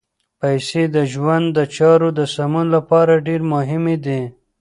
پیسې د ژوند د چارو د سمون لپاره ډېرې مهمې دي.